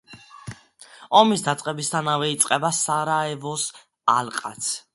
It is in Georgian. ომის დაწყებისთანავე იწყება სარაევოს ალყაც.